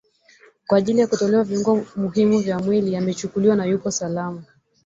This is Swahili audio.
kwa ajili ya kutolewa viungo muhimu vya mwili amechukuliwa na yupo salama